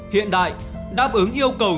hiện đại đáp ứng yêu cầu